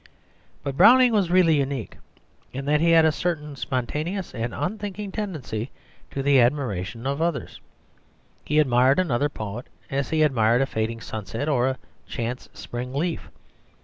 But Browning was really unique, in that he had a certain spontaneous and unthinking tendency to the admiration of others. He admired another poet as he admired a fading sunset or a chance spring leaf.